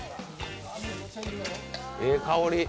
ええ香り